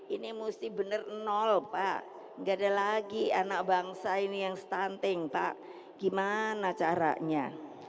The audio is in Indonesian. ini mesti benar nol pak nggak ada lagi anak bangsa ini yang stunting pak gimana caranya